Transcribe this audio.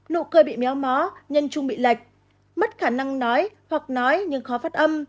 nụ cười bị méo mó nhân trung bị lệch mất khả năng nói hoặc nói nhưng khó phát âm